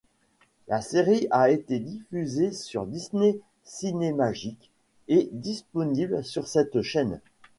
La série a été diffusée sur Disney Cinemagic et disponible sur cette chaîne.